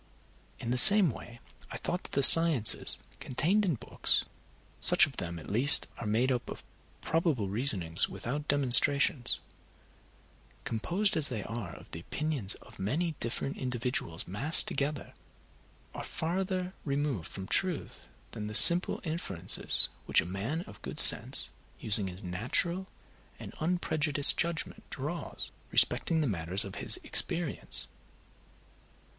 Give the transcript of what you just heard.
In the same way I thought that the sciences contained in books (such of them at least as are made up of probable reasonings, without demonstrations), composed as they are of the opinions of many different individuals massed together, are farther removed from truth than the simple inferences which a man of good sense using his natural and unprejudiced judgment draws respecting the matters of his experience.